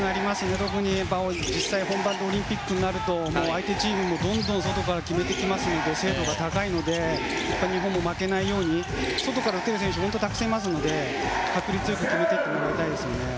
特に実際に、本番のオリンピックになると相手チームもどんどん外から決めてきますので精度が高いので日本も負けないように外から打てる選手はたくさんいますので確率よく決めてもらいたいですね。